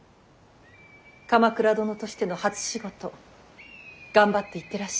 鎌倉殿としての初仕事頑張って行ってらっしゃい。